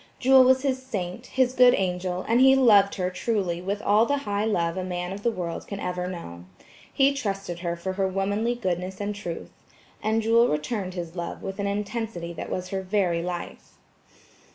Jewel was his saint, his good angel; and he loved her truly with all the high love a man of the world can ever know. He trusted her for her womanly goodness and truth. And Jewel returned his love with an intensity that was her very life.